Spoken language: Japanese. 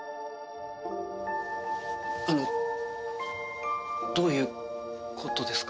あのどういうことですか？